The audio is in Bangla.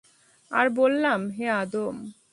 আর বললাম, হে আদম!